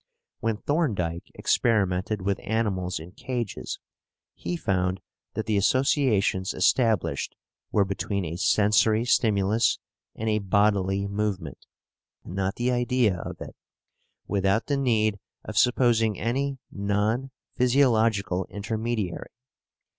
When Thorndike experimented with animals in cages, he found that the associations established were between a sensory stimulus and a bodily movement (not the idea of it), without the need of supposing any non physiological intermediary (op.